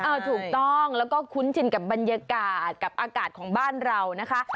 ถูกต้องแล้วก็คุ้นชินกับบรรยากาศกับอากาศของบ้านเรานะคะ